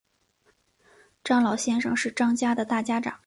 张老先生是张家的大家长